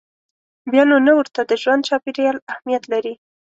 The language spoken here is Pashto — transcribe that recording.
بیا نو نه ورته د ژوند چاپېریال اهمیت لري.